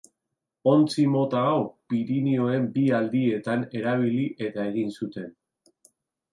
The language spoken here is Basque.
Ontzi mota hau Pirinioen bi aldietan erabili eta egin zuten.